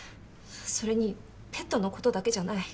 それにペットのことだけじゃない。